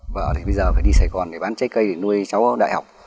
vợ thì bây giờ phải đi sài gòn để bán trái cây để nuôi cháu ở đại học